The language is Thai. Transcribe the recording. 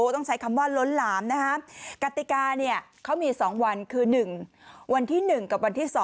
ต้องใช้คำว่าล้นหลามนะฮะกติกาเนี่ยเขามี๒วันคือ๑วันที่๑กับวันที่๒